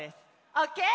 オッケー？